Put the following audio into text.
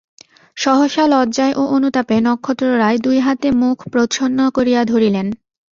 সহসা লজ্জায় ও অনুতাপে নক্ষত্ররায় দুই হাতে মুখ প্রচ্ছন্ন করিয়া ধরিলেন।